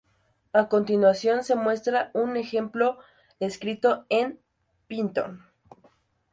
A continuación se muestra un ejemplo escrito en Python